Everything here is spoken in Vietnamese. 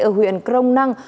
ở huyện crong năng